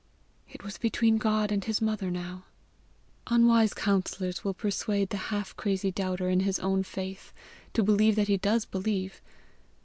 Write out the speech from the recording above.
It was between God and his mother now! Unwise counsellors will persuade the half crazy doubter in his own faith, to believe that he does believe!